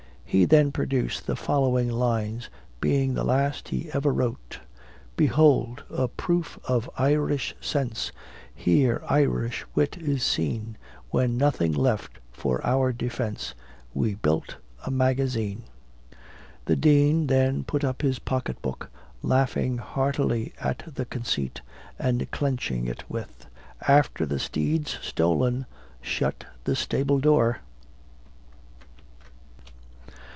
He then produced the following lines, being the last he ever wrote: Behold! a proof of Irish sense! Here Irish wit is seen, When nothing's left for our defence, We build a magazine. The Dean then put up his pocket book, laughing heartily at the conceit, and clenching it with, "After the steed's stolen, shut the stable door."